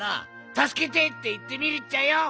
「たすけて！」っていってみるっちゃよ。